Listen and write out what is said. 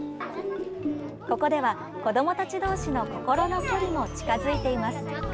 ここでは、子どもたち同士の心の距離も近づいています。